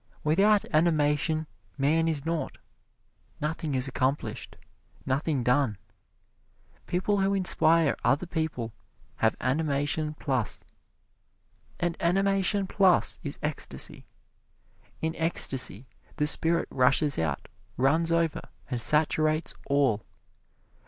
Without animation, man is naught nothing is accomplished, nothing done. People who inspire other people have animation plus. And animation plus is ecstasy. In ecstasy the spirit rushes out, runs over and saturates all.